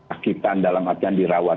akibat dalam hati yang dirawat